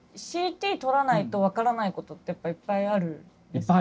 撮らないと分からないことっていっぱいあるんですか？